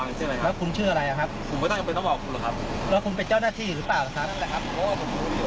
นั่นแหละครับ